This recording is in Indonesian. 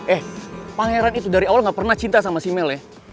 eh pangeran itu dari awal nggak pernah cinta sama simel ya